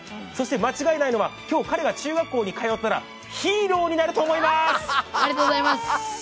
間違いないのは、今日、彼が中学校に行ったらヒーローになると思います。